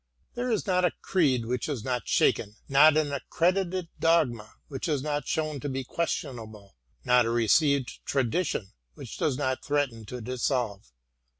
There is not a creed which is not shaken, not an accredited dogma which is not shown to be ques tionable, not a received tradition which does not threaten to dissolve.